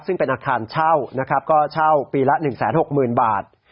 ซึ่งเป็นอาคารเช่าช่าวปีละ๑๖๐๐๐๐บาท